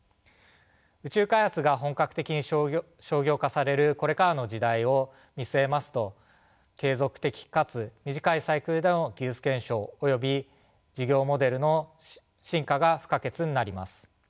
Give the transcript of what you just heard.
宇宙開発が本格的に商業化されるこれからの時代を見据えますと継続的かつ短いサイクルでの技術検証および事業モデルの進化が不可欠になります。